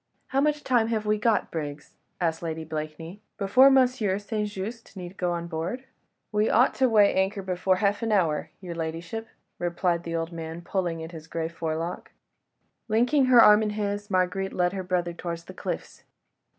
"How much time have we got, Briggs?" asked Lady Blakeney, "before M. St. Just need go on board?" "We ought to weigh anchor before half an hour, your ladyship," replied the old man, pulling at his grey forelock. Linking her arm in his, Marguerite led her brother towards the cliffs.